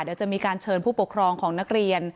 เดี๋ยวจะมีการเชิญผู้ปกครองของนักเรียน